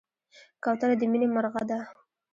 کوتره د مینې مرغه ده.